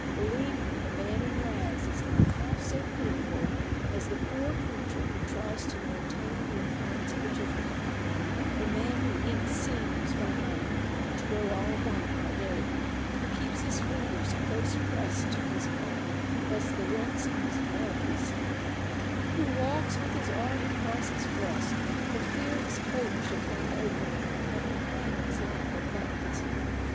Believe me, the man in rags is not half so pitiable as the poor creature who tries to maintain the appearance of a gentleman : the man who inks seams by night which grow all white by day; who keeps his fingers close pressed to his palm lest the rents in his glove be seen ; who walks with his arm across 14 A BOOK OF BARGAINS. his breast for fear his coat should fly open and proclaim its lack of buttons.